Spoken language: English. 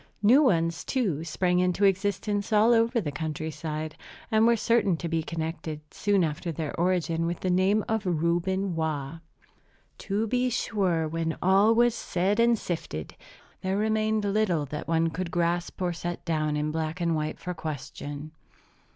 New ones, too, sprang into existence all over the country side, and were certain to be connected, soon after their origin, with the name of Reuben Waugh. To be sure, when all was said and sifted, there remained little that one could grasp or set down in black and white for question.